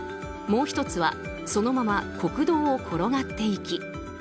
もう１つはそのまま国道を転がっていき